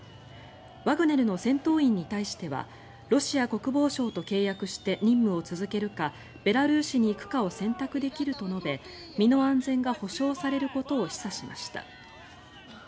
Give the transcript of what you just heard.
ワグネルの戦闘員に対してはロシア国防省と契約して任務を続けるかベラルーシに行くかを選択できると述べ身の安全が保証されることを示唆しました。